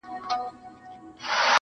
تر خپل ځان پسته لكۍ يې كړله لاندي-